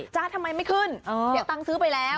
ทำไมไม่ขึ้นเดี๋ยวตังค์ซื้อไปแล้ว